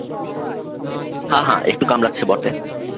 হাঁ হাঁ, একটু কামড়াচ্ছে বটে।